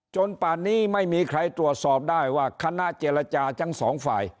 ป่านนี้ไม่มีใครตรวจสอบได้ว่าคณะเจรจาทั้งสองฝ่าย